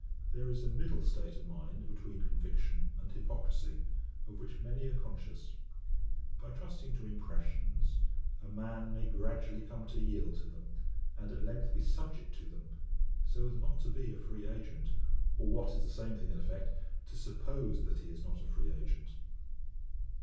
There is a middle state of mind between conviction and hypocrisy, of which many are conscious. By trusting to impressions, a man may gradually come to yield to them, and at length be subject to them, so as not to be a free agent, or what is the same thing in effect, to suppose that he is not a free agent.